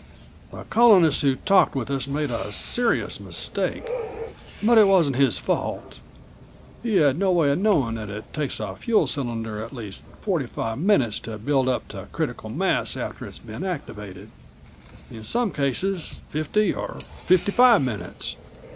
The Colonist who talked with us made a serious mistake, but it wasn't his fault. He had no way of knowing that it takes a fuel cylinder at least forty five minutes to build up to critical mass after it's been activated. In some cases fifty or fifty five minutes."